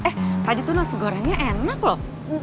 eh tadi tuh nasi gorengnya enak loh